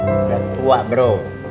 udah tua bro